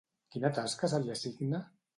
Quina tasca se li assigna?